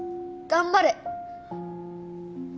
頑張れ。